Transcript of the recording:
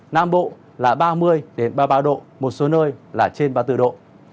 nam bộ là ba mươi ba mươi ba độ một số nơi là trên ba mươi bốn độ